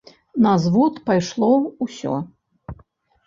На звод пайшло ўсё.